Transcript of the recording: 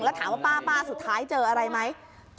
แล้วถามว่าป้าสุดท้ายเจออะไรไหม